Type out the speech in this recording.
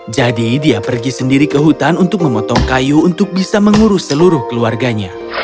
jadi dia pergi sendiri ke hutan untuk memotong kayu untuk bisa mengurus seluruh keluarganya